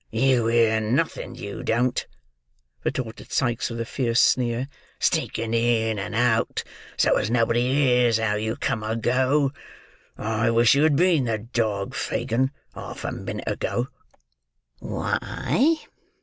You hear nothing, you don't," retorted Sikes with a fierce sneer. "Sneaking in and out, so as nobody hears how you come or go! I wish you had been the dog, Fagin, half a minute ago." "Why?"